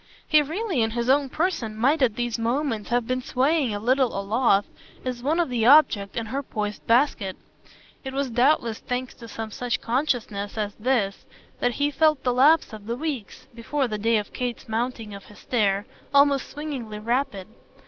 He really in his own person might at these moments have been swaying a little aloft as one of the objects in her poised basket. It was doubtless thanks to some such consciousness as this that he felt the lapse of the weeks, before the day of Kate's mounting of his stair, almost swingingly rapid.